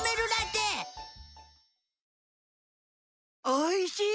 おいしい！